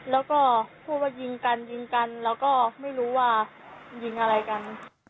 แล้วก็พูดว่ายิงกันยิงกันแล้วก็ไม่รู้ว่ายิงอะไรกัน